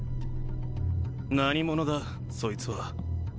何者だそいつは。